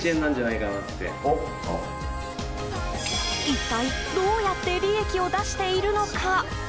一体どうやって利益を出しているのか。